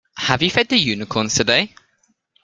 Have you fed the unicorns today?